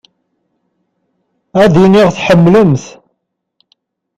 Ad iniɣ tḥemmlem-t.